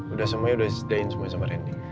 udah semuanya udah disediain semua sama randy